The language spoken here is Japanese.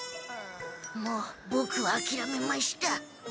もうボクはあきらめました。